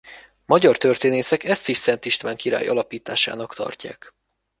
Magyar történészek ezt is Szent István király alapításának tartják.